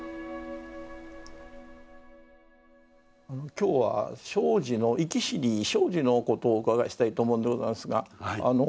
今日は生死の生き死に生死のことをお伺いしたいと思うんでございますが。